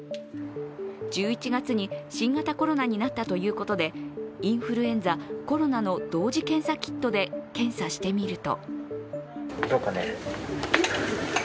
１１月に新型コロナになったということでインフルエンザ・コロナの同時検査キットで検査してみると。